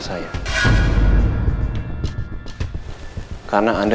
saya merasa rupa rupa